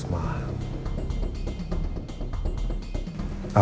semuanya udah jelas